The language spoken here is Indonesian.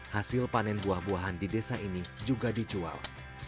hasil panen buah buahan di desa ini juga dijual